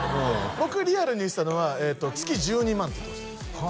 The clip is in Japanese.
僕リアルに言ってたのは月１２万って言ってましたは